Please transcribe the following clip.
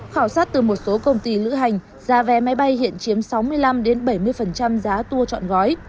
khảo sát từ một số công ty lữ hành giá vé máy bay hiện chiếm sáu mươi năm bảy mươi giá tour chọn gói